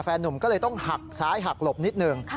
หนุ่มก็เลยต้องหักซ้ายหักหลบนิดหนึ่ง